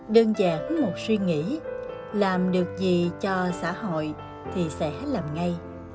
đơn giản một suy nghĩ làm được gì cho xã hội thì sẽ hết làm ngay